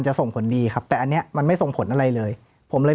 ส่งผลดีครับแต่อันนี้มันไม่ส่งผลอะไรเลยผมเลย